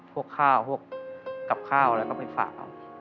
พวกคร้าวทางกลับคร้าวแล้วก็ไปฝากครับ